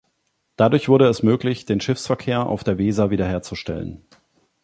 Dadurch wurde es möglich, den Schiffsverkehr auf der Weser wiederherzustellen.